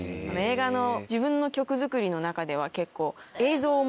映画の自分の曲作りの中では結構。